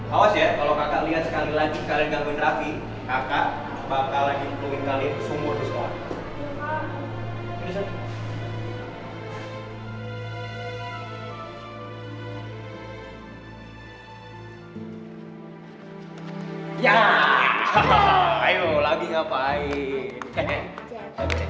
awas ya kalau kakak liat sekali lagi kalian gangguin raffi kakak bakal lagi ngepuluhin kalian kesumur di sekolah